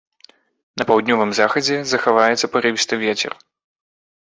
На паўднёвым захадзе захаваецца парывісты вецер.